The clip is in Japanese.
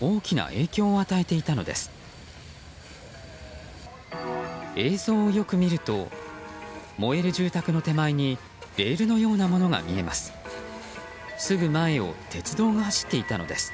映像をよく見ると燃える住宅の手前にレールのようなものが見えます。